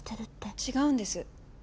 違うんです。